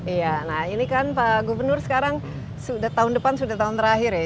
iya nah ini kan pak gubernur sekarang sudah tahun depan sudah tahun terakhir ya